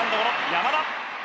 山田。